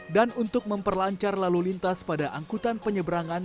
dan untuk memperlancar lalu lintas pada angkutan penyeberangan